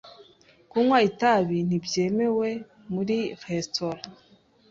Kunywa itabi ntibyemewe muri resitora.